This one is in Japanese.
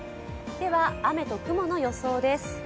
では雨と雲の予想です。